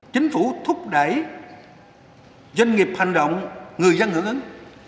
chính phủ thúc đẩy doanh nghiệp hành động người dân hưởng ứng